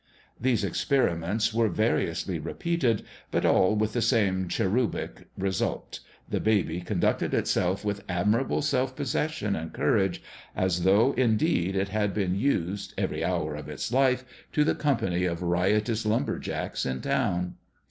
These experiments were variously repeated, but all with the same cherubic result ; the baby con ducted itself with admirable self possession and courage, as though, indeed, it had been used, every hour of its life, to the company of riotous lumber jacks in town.